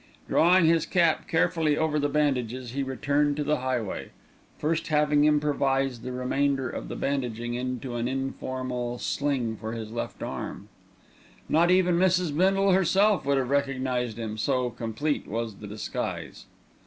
Drawing his cap carefully over the bandages, he returned to the highway, first having improvised the remainder of the bandaging into an informal sling for his left arm. Not even Mrs. Bindle herself would have recognised him, so complete was the disguise.